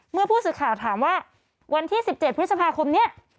เมื่อผู้สื่อข่าวถามว่าวันที่๑๗พฤษภาคมนี้